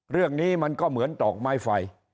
เรื่องนี้มันก็เหมือนดอกไม้ไฟ